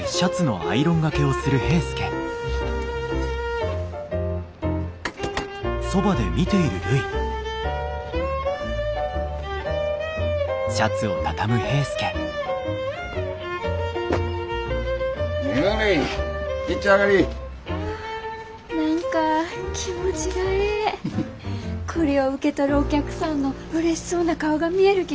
こりょう受け取るお客さんのうれしそうな顔が見える気がします。